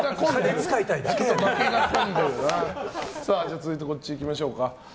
続いてこっちいきましょうか。